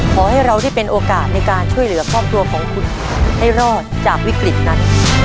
ขอให้เราได้เป็นโอกาสในการช่วยเหลือครอบครัวของคุณให้รอดจากวิกฤตนั้น